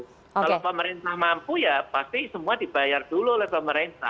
kalau pemerintah mampu ya pasti semua dibayar dulu oleh pemerintah